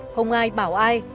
không ai bảo ai